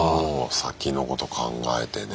先のこと考えてね。